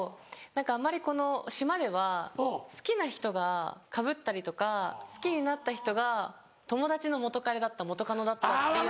あんまり島では好きな人がかぶったりとか好きになった人が友達の元カレだった元カノだったっていうのは。